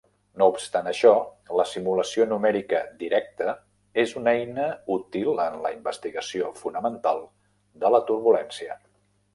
No obstant això, la simulació numèrica directa és una eina útil en la investigació fonamental de la turbulència.